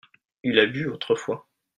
il a bu autrefois.